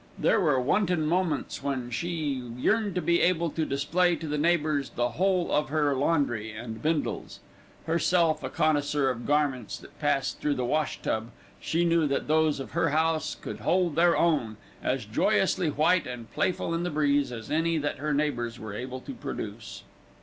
There were wanton moments when she yearned to be able to display to the neighbours the whole of her laundry and Bindle's. Herself a connoisseur of garments that passed through the wash tub, she knew that those of her house could hold their own, as joyously white and playful in the breeze as any that her neighbours were able to produce.